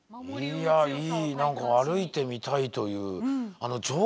いやあいいなんか歩いてみたいという。